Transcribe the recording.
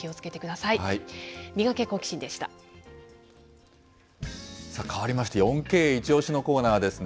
さあ、変わりまして、４Ｋイチオシ！のコーナーですね。